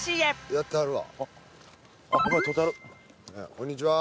こんにちは。